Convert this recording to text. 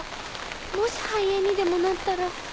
もし肺炎にでもなったら。